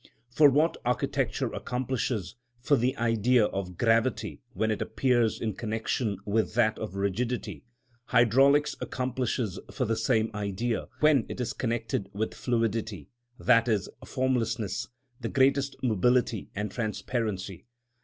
For what architecture accomplishes for the Idea of gravity when it appears in connection with that of rigidity, hydraulics accomplishes for the same Idea, when it is connected with fluidity, i.e., formlessness, the greatest mobility and transparency.